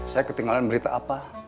saya ketinggalan berita apa